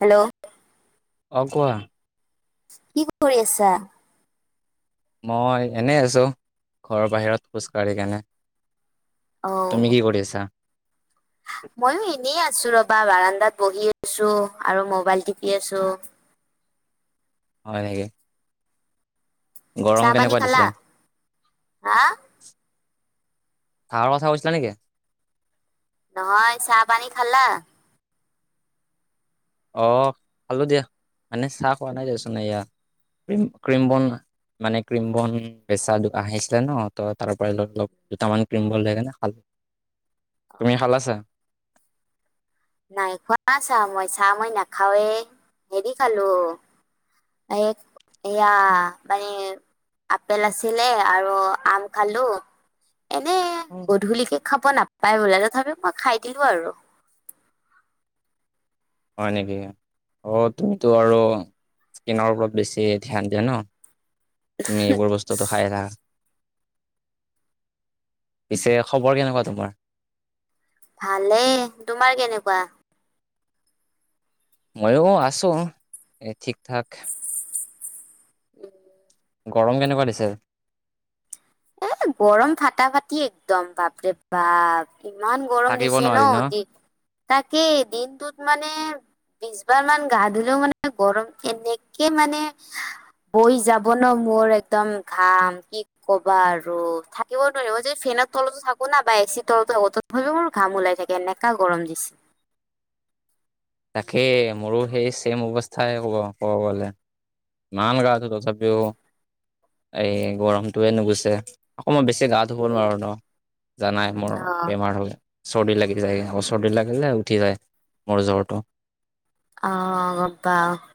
Hello অ' কোৱা। কি কৰি আছা? মই এনেই আছোঁ, ঘৰৰ বাহিৰত খোজ কাঢ়ি কেনে অ তুমি কি কৰি আছা? ময়ো এনেই আছোঁ, ৰব বা বাৰান্দাত বহি আছোঁ, আৰু মোবাইল টিপি আছোঁ। হয়‌নেকি। চাহ গৰম পানী কেনেকুৱা খালা? দিছে? হা খাৱাৰ কথা কৈছিলা নেকি? নহয়, চাহ পানী খালা? অ' খালো দিয়া মানে চাহ খোৱা নাই দেচোন এয়া কম ক্ৰীম বন মানে ক্ৰীম বন বেচা আহিছিলে ন ত তাৰ পৰা অলপ দুটামান ক্ৰীম বন লৈ কেনে খালো। তুমি খালা ছাহ নাই খোৱা চাহ মই চাহ মই নাখাওৱে হেৰি খালো ইয়া মানে আপেল আছিলে আৰু আম খালো। এনে গধূলিকে খাব নাপায় বোলে তথাপি মই খাই দিলো আৰু। হয় নেকি? অ তইো আৰু স্কিনৰ ওপৰত বেছি ধ্যান দিয়া ন, তুমি এইবোৰ বস্তুটো খাই থাকা। পিছে খবৰ কেনেকুৱা তোমাৰ, ভালেই তোমাৰ কেনেকুৱা [unintelligible] ময়ো আছো। এ ঠিক ঠাক। উম [unintelligible] গৰম কেনেকুৱা দিছে। এ গৰম ফাটা ফাটি একদম বাপৰে বাপ ইমান গৰম থাকিব দিছে নোৱাৰি ন, তাকেই দিনটোত মানে বিশবাৰ মান গা ধুলেও মানে গৰম এনেকে মানে, বৈ যাব ন মোৰ একদম ঘাম কি কবা আৰু [unintelligible] আৰু থাকিব নোৱাৰে যে ফেনৰ তলতো থাকো না বা এ চিৰ তলতো থাকো তথাপিও মোৰ ঘাম ওলাই থাকে এনেকুৱা, গৰম দিছে। [unintelligible] তাকেই, মোৰো সেই চেম অৱস্থাই হব গ'লে। ইমান গা আছো তথাপিও এই গৰমটোৱে নুগুছে। অয় বেছি গা ধুব উম, নোৱাৰোঁ ন জানাই মোৰ অ বেমাৰ হ'লে [unintelligible] চৰ্দি লাগি যায় চৰ্দি লাগিলে উঠি যায় মোৰ জ্বৰটো। অ গ্পা [unintelligible]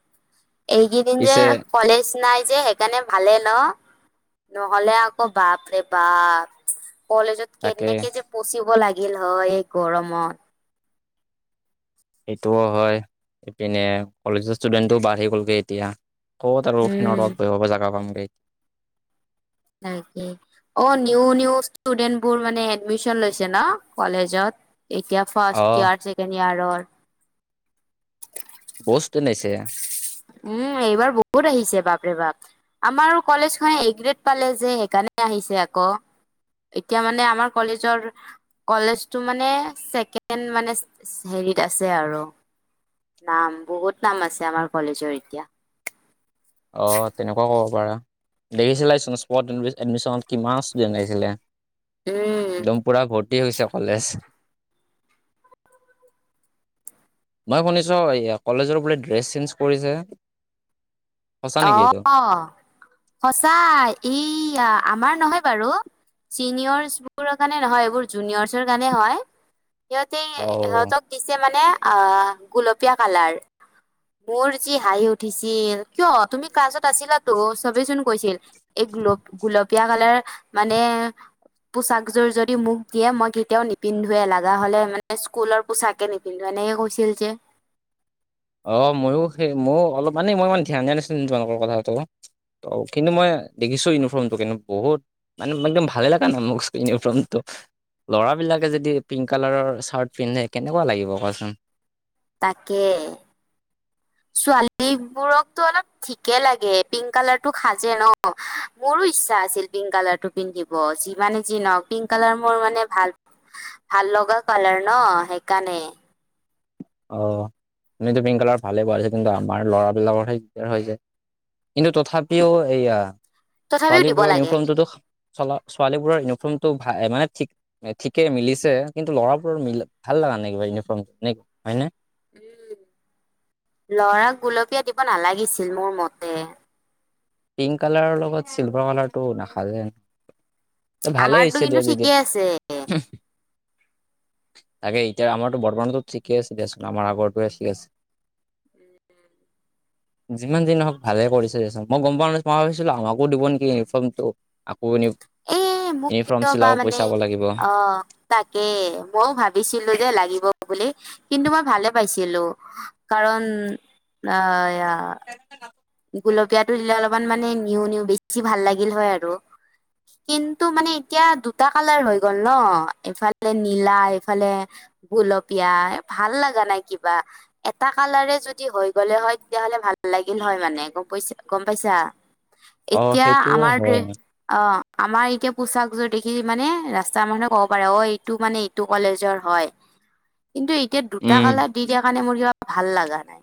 এইকেইদিন যে পিছে কলেজ নাই যে সেইকাৰণে ভালে ন। নহ'লে আকৌ বাপৰে বাপ কলেজত তাকে কেনেকে যে পচিব লাগে [unintelligible] লাগিল হয়। এই গৰমত সেইটোও হয় ইপিনে কলেজৰ ষ্টুডেন্টটো বাঢ়ি গ'লগে এতিয়া [unintelligible] ক'ত আৰু উম। ফেনত জেগা পাম গ, তাকে অ নি নি ষ্টুডেন্ট বোৰ মানে এডমিচন লৈছে ন কলেজত [unintelligible] এতিয়া অ ফাৰ্ষ্ট ইয়াৰ ছেকেণ্ড ইয়াৰৰ, বস তেনেছে [unintelligible] উম এইবাৰ বহুত আহিছে। বাপ ৰে বাপ আমাৰ কলেজ খনে এগ্ৰেড পালে যে সেইকাৰণে। এনে আহিছে আকৌ [inaudible] এতিয়া মানে আমাৰ কলেজৰ, কলেজটো মানে ছেকেণ্ড মানে হৈছে ত আছে আৰু নাম বহুত নাম আছে আমাৰ কলেজৰ এতিয়া [unintelligible] অ' তেনেকুৱা হ'ব দেখিছিল এডমিশনত কিমান ষ্টুডেণ্ট লিছিলে উম [unintelligible] দমপুৰা ভোট। হৈছে কলেজ [unintelligible] মই শুনিছ, কলেজৰ বোলে ড্ৰেছ চেঞ্জ কৰিছে সঁচা অ নেকি এইটো সঁচাই, ইয়া। আমাৰ নহয় বাৰু ছিনিয়ৰ্চবোৰৰ কাৰণে নহয় এইবোৰ জুনিয়ৰচৰ কাৰণে হয়। সিহঁতে অ সিহঁতক দিছে মানে [unintelligible] আহ গলপীয়া কালাৰ মোৰ যি হাঁহি উঠিছিল। কিয় তুমি কাজত আছিলাো চবেইচোন কৈছিল এই গুল গুলপ [unintelligible] প্ৰিয়া কালাৰ মানে, পোচাক জোৰ যদি মুক দিয়ে মই কেতিয়াও নিপিন্ধোৱে, লগা হলে স্কুলৰপোছাকে নিপিন্ধু। এনেকে কৈছিল যে অ ময়ো, সেই ময়ো অলপ মানে মই ইে ধ্যান দিয়া নাছিলো তোমালোকৰ কথাটো। ত কিন্তু মই দেখিছো ইউনিফৰ্মটো কিন্তু বহুত মানে একদম ভালে লগা নাই। মোৰ ইউনিফৰ্মটো ল'ৰাবলাকে যদি পিংক কালাৰৰ চাৰ্ট পিন্ধে কেনেকুৱা লাগিব কোৱাচোন। তাকে, উ [unintelligible] ছোৱালী বোৰকতো অলপ ঠিকে লাগে পিংক কালাৰটো চাজে ন মোৰো ইচ্ছা আছিল পিংক কালাৰ টো পিন্ধিব যি মানে যি নওক পিংক কালাৰ মোৰ মানে ভাল। ভাল লগা কালাৰ ন সেইকাৰণে অ তুমিতো পিংক কালাৰ ভালে পোৱাই কিন্তু আমাৰ লৰাবিলাকৰহে দিগদাৰ হৈ যায়। কিন্তু তথাপিও এইয়া তথাপিও দিব ছোৱালীবোৰৰ লাগে ইউনিফৰ্মটোতো। চ ছোৱালী বোৰৰ ইউনিফৰ্ম টো ভাল মানে ঠিক ঠিকে মিলিছে কিন্তু ল'ৰাবোৰৰ মিল ভাল লাগ। আনিব ইউনিফৰ্ম হয় নে। উ লৰাক গুলপীয়া দিব নালাগিছিল মোৰ মতে পিংক কালাৰৰ লগত চিল্ভাৰ কালাৰটো নাখাজে ত ভালেই আমাৰতো হৈছে কিন্তু দিয়া জেদিয়া। ঠিকে আছে তাকে এতিয়া আমাৰতো বৰ্তমানটো ঠিকে আছে দেচোন আমাৰ আগৰটো আছে-আছে। যিমান দিন হক ভালে কৰিছে দিয়াছোন। মই গম পোৱা নাই মই ভাছিলো আমাকো দিবে নেকি ইউনিফৰ্মটো। এ মোক ইউনিফৰ্ম কিয় বা চিলাব মানে পইচা পাব লাগিব অ' তাকে মইও ভাবিছিলো যে লাগিব বুলি। কিন্তু মই ভালে পাইছিলো কাৰণ আহ গুলপীয়াটো দিলে অলপমান মানে নিউ নিউ বেছি ভাল লাগিল হয় আৰু কিন্তু মানে এতিয়া দুটা কালাৰ হৈ গ'ল ন এইফালে নীলা এইফালে গুলপীয়া ভাল লগা নাই কিবা এটা কালাৰে যদি হৈ গলে হয় তেতিয়াহ'লে ভাল ভাল লাগিল হয় মানে গম পাইছা গম পাইছা অ এতিয়া সেইটোও আমাৰ হয় অ', আমাৰ এতিয়া পোচাকযোৰ দেখি মানে ৰাস্তা মানহে ক'ব পাৰে অ এইটো মানে এইটো কলেজৰ হয়। [unintelligible] কিন্তু এতিয়া দুটা উম। কালাৰ দি দিয়া কাৰণে মোৰ কিবা ভাল লগা নাই।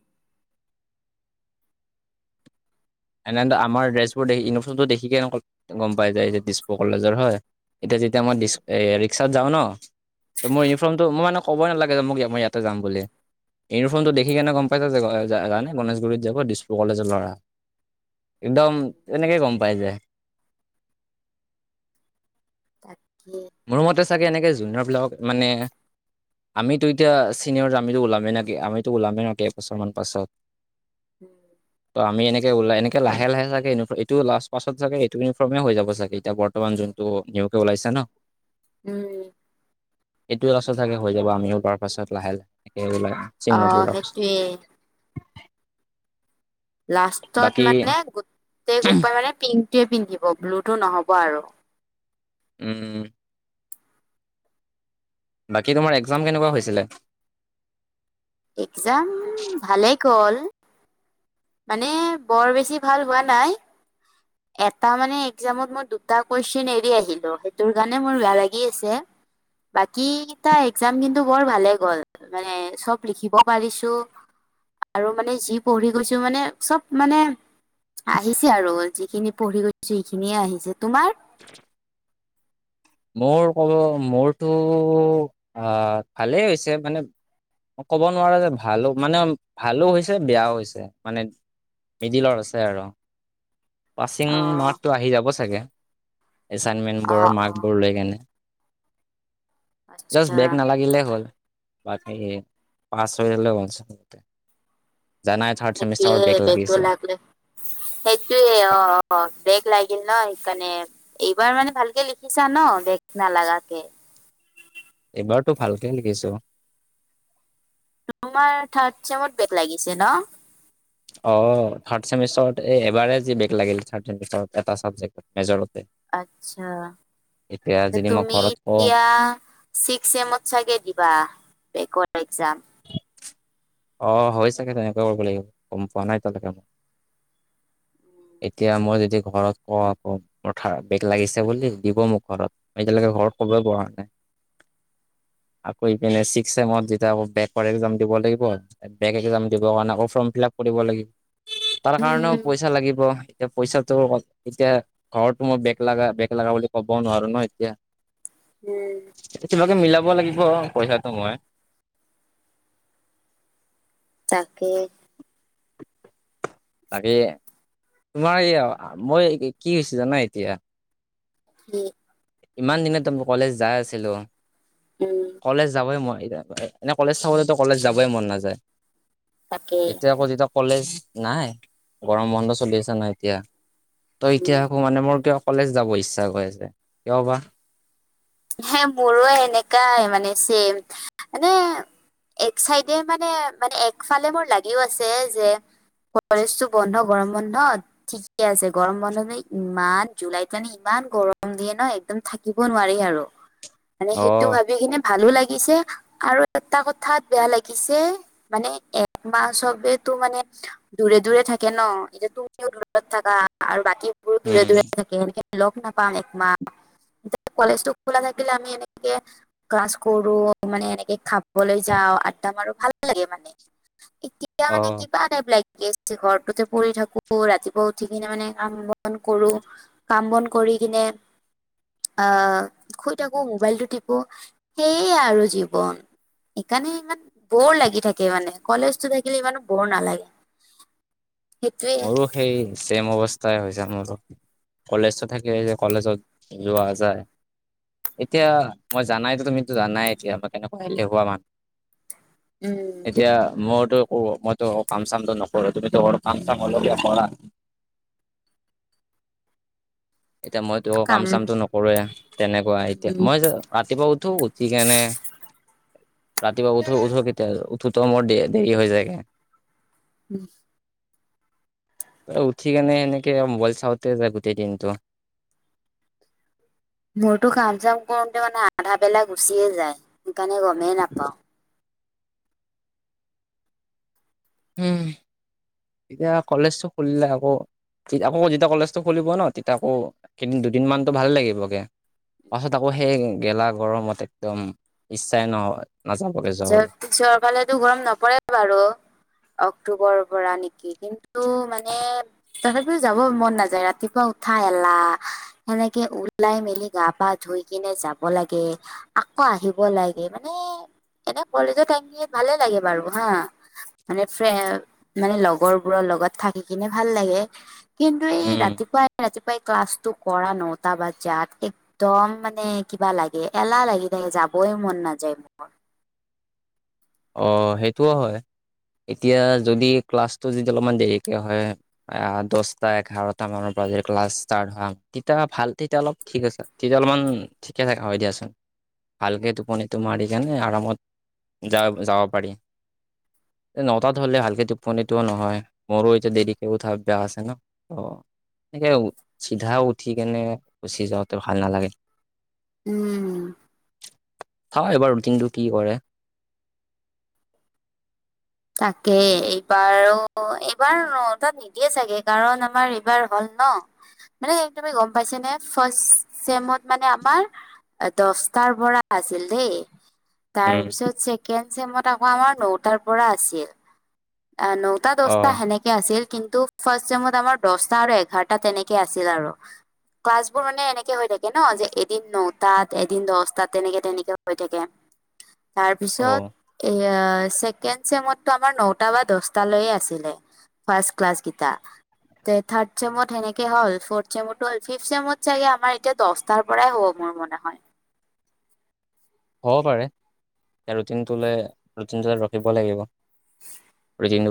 এনেটো আমাৰ ড্ৰেছ বোৰ দেখি ইউনিফটো দেখিকেনে গম পাই যায় ডিছপুৰ কলেজৰ হয়। এতিয়া যেতিয়া মই ৰিক্সাত যাওঁ ন ত মোৰ ইউনিফৰ্মটো মই মানে। কবই নালাগে যে মোক মই ইয়াতে যাম বুলি। ইউনিফৰ্মটো দেখি কেনে গম পাইছ যে জানে গণেশগুৰিত যাব দিছপুৰ কলেজৰ ল'ৰা। একদম উম, তেনেকেই গম পাই যায়। তাকে মোৰ মতে চাগে এনেকে জুনিয়ৰ বিলাকক মানে। আমিতো এতিয়া চিনিয়ৰ আমিতো ওলামেই নেকি আমিতো ওলামেই নকি একবছৰমান পাছত। উম, ওলই এনেকে লাহে-লাহে চাগে ই এইটো লাষ্টত চাগে এইটো ইউনিফৰ্ম হৈ যাব চাগে, এতিয়া বৰ্তমান যোনটো। ওলাইছা ন উম, এইটোয় আলচল চাগে হৈ যাব আমিওলোৱাৰ পাছত লাহে-লাহে একে ওলাই। চিন নবোৰ অহ ওলোৱাৰ পাছত সেইটোৱে। লাষ্টত বাকী মানে গোটেই গোপায় মানে পিংক। টেই পিন্ধিব ব্লুটো নহ'ব আৰু। উম, বাকী তোমাৰ একজাম কেনেকুৱা হৈছিলে। একজাম ভালে গল। মানে বৰ বেছি ভাল হোৱা নাই। এটা মানে একজামত মই দুটা কুৱেশন এৰি আহিলো সেইটোৰ কাৰণে মোৰ বেয়া লাগি আছে বাকী কেইটা এক্জাম কিন্তু বৰ ভালে গ'ল মানে চব লিখিব পাৰিছো আৰু মানে যি পঢ়ি গৈছো মানে চব মানে আহিছে আৰু যিখিনি পঢ়ি গৈছো সেইখিনিয়ে আহিছে তোমাৰ [unintelligible] মোৰ ক'ব মোৰতো আহ ভালেই হৈছে মানে ক'ব নোৱাৰা যে ভালো মানে ভালো হৈছে বেয়াও হৈছে মানে মিডিলৰ আছে আৰু পাচিং অ', মাৰ্কতটো আহি যাব চাগে এচাইনমেণ্ট বোৰৰ অ', মাৰ্ক অ'। আচ্ছা বেক নালাগিলে হ'ল বাকী পাঁচ হৈ জানাই উম থাৰ্ড চেমিষ্টাৰৰ সেইটোয়ে বেগ বেকটো লাগিছে লাগিলে সেইটোৱে অ অ বেক লাগিল ন এই কাৰণে এইবাৰ মানে ভালকে লিখিছা ন বেক নালাগাকে এইবাৰটো ভালকে লিখিছো তোমাৰ থাৰ্ড চেমত বেক লাগিছে ন অ থাৰ্ড চেমিষ্টাৰত এই এবাৰেই যি বেক লাগিল থাৰ্ড চেমিষ্টাৰত মাৰ এটা চাবজেক্টত মেজৰত আতচ্ছা যদি মই তুমি ঘৰত কওঁ এতিয়া চিক্স চেমত চাগে দিবা একজাম অ হৈ চাগে তেনেকুৱা কৰিব লাগিব গম পোৱা নাই এতিয়ালৈকে মই [inaudible] এতিয়া মই যদি ঘৰত কও আকৌ মোৰ বেক লাগিছে বুলি দিব মোক ঘৰত এতিয়ালৈকে [inaudible] একজাম দিব লাগিব বেক একজাম দিব কাৰণে আকৌ ফৰ্ম ফিল আপ কৰিব লাগিব তাৰ কাৰণেও উম পইচা লাগিব এতিয়া পইচাতো এতিয়া ঘৰতটো মই বেক লগা বেক লগা বুলি ক'বও নোৱাৰো ন এতিয়া উম কিবাকে মিলাব লাগিব পইচাটো মই তাকে তাকে তোমাৰ এই মই কি হৈছে জানা এতিয়া উম ইমান দিনেতো মই কলেজ যাই আছিলো উম কলেজ যাবই মন এনেই কলেজ থাকোঁতেতো কলেজ যাবই মন নাযায় তাকে এতিয়া আকৌ যেতিয়া কলেজ নাই গৰম বন্ধ চলি আছে ন এতিয়া ত এতিয়া উম আকৌ মানে মোৰ কিয় কলেজ যাব ইচ্ছা কৰি আছে কিয় বা হে মোৰো এনেকাই মানে চেম মানে এক চাইডে মানে মানে একফালে মোৰ লাগিও আছে যে কলেজতো বন্ধ গৰম বন্ধ ঠিকে আছে গৰম বন্ধ মানে ইমান জুলাইত মানে ইমান ইমান গৰম দিয়ে ন একদম থাকিব নোৱাৰি আৰু মানে অ সেইটো ভাবি কিনি ভালো লাগে পিছে আৰু এটা কথাত বেয়া লাগিছে মানে একমাহ চবেতো মানে দূৰে দূৰে থাকে ন এতিয়া তুমিও দূৰত থাকা আৰু বাকী দূৰে উম দূৰে থাকে সেনেকে আমি লগ নাপাম একমাহ এ কলেজতো খোলা থাকিলে আমি এনেকে ক্লাছ কৰো মানে এনেকে খাবলৈ যাওঁ আড্ডা মাৰো ভাল লাগে মানে এতিয়া অ মানে কিবা টাইপ লাগি আছে ঘৰটোতে পৰি থাকো ৰাতিপুৱা উঠি কিনে মানে কাম বন কৰো কাম বন কৰি কিনে আহ শুই থাকো মোবাইলটো টিপো সেইয়াই আৰু জীৱন সেইকাৰণে ইমান বৌৰ লাগি থাকে মানে কলেজটো থাকিলে ইমানো বৰ নালাগে [inaudible] সেইটোয়ে মোৰো সেই ছেম অৱস্থাই হৈছে মোৰ কলেজ থাকে যে কলেজত যোৱা যায় এতিয়া মই জানাইটো তুমিতো জানাই এতিয়া মই কেনেকুৱা এলেহুৱা মানুহ উম এতিয়া মইতো একো মইতো কাম চামটো নকৰো তুমিতো ঘৰত কাম [unintelligible] এতিয়া মইতো কাম চামটো নকৰোৱে তেনেকুৱা এতিয়া উম মই যে ৰাতিপুৱা উঠো উঠি কেনে ৰাতিপুৱা উঠো উঠো কেতিয়া উঠোতে মোৰ দে দেৰি হৈ যায়গে উম ত উঠি কেনে সেনেকে মোবাইল চাওঁতে যায় গোটেই দিনটো [unintelligible] মইতো কাম চাম কৰোতে মানে আধা বেলা গুচিয়ে যায় সেইকাৰণে গমেই নাপাওঁ। উম এতিয়া কলেজটো খুলিলে আকৌ [unintelligible] আকৌ যেতিয়া কলেজটো খুলিব ন তেতিয়া আকৌ কেইদিন দুদিনমানটো ভাল লাগিব গৈ পাছত আকৌ সেই গেলা গৰমত একদম ইচ্ছাই নহয় [unintelligible] চৰকালেো গৰম নপৰে বাৰু অক্টোবৰৰ পৰা নেকি কিন্তু, তটো [unintelligible] মানে তথাপিও যাব মন নাযায়। ৰাতিপুৱা উঠাই এলাহ, তেনেকে ওলাই মেলি গা পা ধই, গৈ কিনে যাব লাগে আকৌ আহিব লাগে মানে [unintelligible] এনে কলেজত আহি ভালে লাগে বাৰু হা, মানে মানে লগৰবোৰৰ লগত থাকি কিনে ভাল লাগে [unintelligible] কিন্তু এই উম ৰাতিপুৱাই ৰাতিপুৱ, াই ক্লাছটো কৰা ন ত বা যাত এক্দম মানে কিবা লাগে এলাহ লাগি নে য [unintelligible] যাবই মন না যায় মোৰ অ সেইটোও হয় [unintelligible] এতিয়া যদি ক্লাছটো যদি অলপমান দেৰিকে হয়, দচটা এঘাৰটা মানৰ পৰা। ্লা তেতি ভাল তেতিয়া অলপ ঠিক আছে তেতিয়া অলপমান ঠিকে থাকে হয় দিয়াচোন [unintelligible] ভালকে টোপনিটো মাৰি কেনে আৰামত, য যাব পাৰি নটাত হ'লে ভালকে টোপনিত [unintelligible] সেইটোও নহয়, মোৰো এতিয়া দেৰিকে উঠাব বেয়া আছে ন অ, এনেকে চিধা উঠি কেনে গুচি যাওঁতে ভাল নালাগে [unintelligible] উম' চাও এবাৰ ৰুটিনটো কি কৰে [unintelligible] তাকে, এইবাৰো এইবাৰ ন তাত নিদিয়ে চাগৈ, কাৰণ আমাৰ এইবাৰ হল ন। মানে একদমে গম পাইছে নে ফাৰ্ষেমত মানে আমাৰ [unintelligible] দছটাৰ পৰা আছিল দেই, উম তাৰপিছত চছেকেণ্ড চেমত আকৌ আমাৰ নৌটাৰ পৰা আছিল [unintelligible] অ নটা অ দছটা তেনেকে আছিল। কিন্তু ফাৰ্ষ টাইমত আমাৰ দহটা আৰু এঘাৰটা তেনেকে আছিল আৰু [unintelligible] ক্লাছবোৰ মানে এনেকে হৈ থাকে ন [unintelligible] যে এদিন নটাত এদিন দহটাত তেনেকে তেনেকে হৈ থাকে [unintelligible] তাৰ অ পিছত এয়া ছেকেণ্ড চেমতটো আমাৰ নট, টা বা দছটাালৈয়ে আছিলে ফাৰ্ষ্ট ক্লাছ কেইটা [unintelligible] তে, থাৰ্ড চেমত হেনেকে হ'ল। ফৰ্থ চেমত চাগৈ ফিফট চেমত আমাৰ এতিয়া দচটাৰ পৰাই হ'ব মান, মোৰ মনা হয় [unintelligible] [unintelligible] হ'ব পাৰে ৰুটিনটোলৈ, ৰুটিনটো ৰখিব লাগিব। ৰুটিন